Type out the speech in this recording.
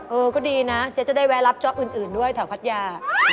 เออก็ดีนะเจ๊จะได้แวะรับจ๊อปอื่นด้วยแถวพัทยา